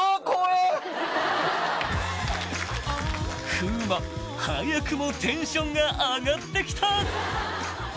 ［風磨早くもテンションが上がってきた］